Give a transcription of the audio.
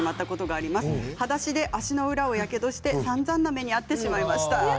はだしで足の裏をやけどしてさんざんな目に遭ってしまいました。